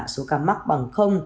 số ca mắc bỏ